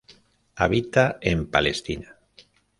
Habita en Palestina.